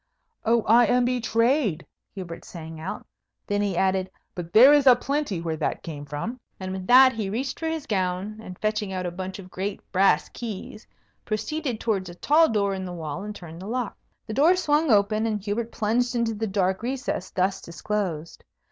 "Oh, I am betrayed!" Hubert sang out. Then he added, "But there is a plenty where that came from." And with that he reached for his gown, and, fetching out a bunch of great brass keys, proceeded towards a tall door in the wall, and turned the lock. The door swung open, and Hubert plunged into the dark recess thus disclosed.